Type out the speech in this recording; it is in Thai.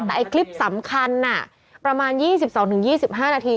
แต่อักคลิปสำคัญน่ะประมาณยี่สิบสองถึงยี่สิบห้านาที